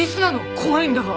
怖いんだが。